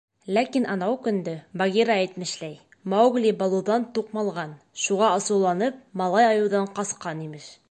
Ләкин анау көндө, Багира әйтмешләй, Маугли Балуҙан туҡмалған, шуға асыуланып, малай айыуҙан ҡасҡан, имеш.